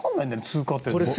通過点が。